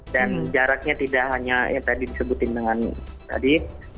dan jaraknya tidak hanya yang tadi disebutin dengan tadi